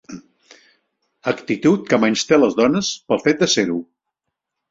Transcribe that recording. Actitud que menysté les dones pel fet de ser-ho.